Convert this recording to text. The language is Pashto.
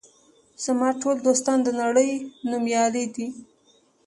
زما ټول دوستان د نړۍ نومیالي دي.